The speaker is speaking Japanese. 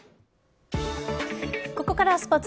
ここからはスポーツ。